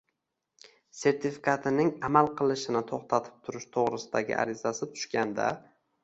sertifikatining amal qilishini to‘xtatib turish to‘g‘risidagi arizasi tushganda